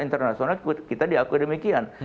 internasional kita diakui demikian